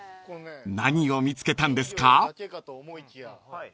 ［何を見つけたんですか？］